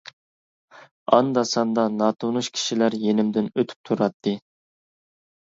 ئاندا-ساندا ناتونۇش كىشىلەر يېنىمدىن ئۆتۈپ تۇراتتى.